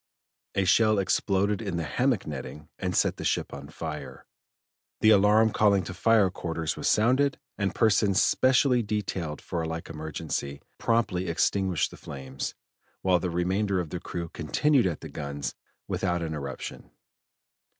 A shell exploded in the hammock netting and set the ship on fire; the alarm calling to fire quarters was sounded, and persons specially detailed for a like emergency, promptly extinguished the flames, while the remainder of the crew continued at the guns without interruption.